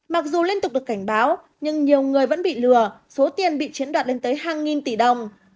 mặc dù liên tục được cảnh báo nhưng nhiều người vẫn bị lừa số tiền bị chiếm đoạt lên tới hàng nghìn tỷ đồng